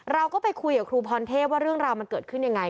เราก็ไปคุยกับครูพรเทพว่าเรื่องราวมันเกิดขึ้นยังไง